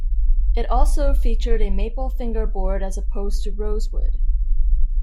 It also featured a maple fingerboard as opposed to rosewood.